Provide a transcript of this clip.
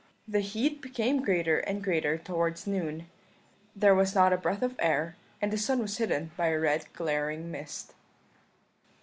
The heat became greater and greater towards noon; there was not a breath of air, and the sun was hidden by a red glaring mist.